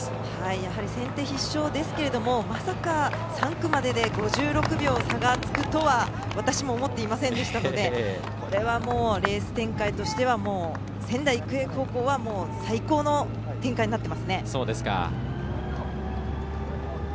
やはり先手必勝ですがまさか、３区までで５６秒、差がつくとは私も思っていませんでしたのでこれはレース展開としては仙台育英高校は最高の展開になっていますね。